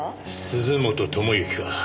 鈴本友之か。